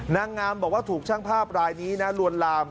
นางงามบอกว่าถูกช่างภาพรายนี้นะลวนลาม